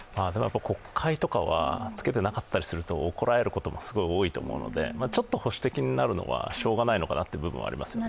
国会とかは、着けてなかったりすると怒られることも多いと思うのでちょっと保守的になるのはしようがないのかなという部分はありますね。